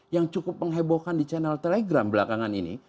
yang cukup menghebohkan di channel telegram belakangan ini